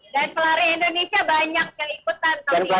dan pelari indonesia banyak yang ikutan